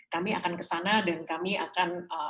kami akan ke sana dan kami akan